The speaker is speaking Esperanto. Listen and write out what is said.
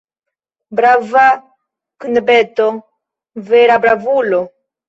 Brava knabeto, vera bravulo!